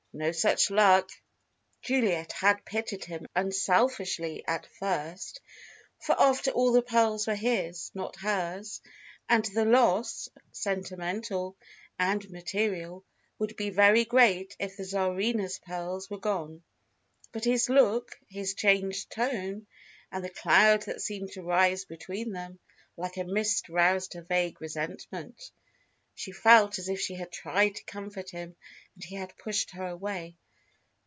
"No such luck." Juliet had pitied him unselfishly at first, for after all the pearls were his, not hers, and the loss sentimental and material would be very great if the Tsarina's pearls were gone. But his look, his changed tone, and the cloud that seemed to rise between them like a mist roused her vague resentment. She felt as if she had tried to comfort him and he had pushed her away.